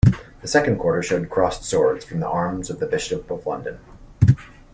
The second quarter showed crossed swords, from the arms of the Bishop of London.